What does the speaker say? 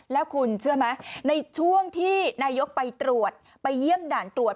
แล้วคุณเชื่อไหมในช่วงที่นายกไปตรวจไปเยี่ยมด่านตรวจ